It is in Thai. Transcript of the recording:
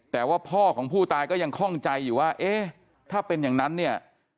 แต่ว่าพ่อของผู้ตายก็ยังคล่องใจอยู่ว่าเอ๊ะถ้าเป็นอย่างนั้นเนี่ย